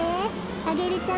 アゲルちゃん